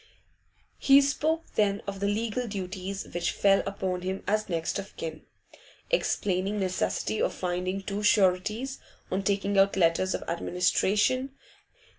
He spoke then of the legal duties which fell upon him as next of kin, explaining the necessity of finding two sureties on taking out letters of administration.